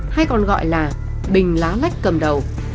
hay còn gọi là bình lá lách cầm đầu